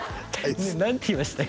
何て言いました？